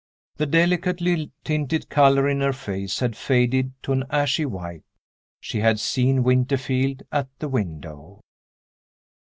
The delicately tinted color in her face had faded to an ashy white. She had seen Winterfield at the window.